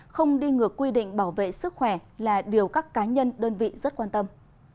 không đi ngược quy định bảo vệ sức khỏe là điều các cá nhân đơn vị rất quan tâm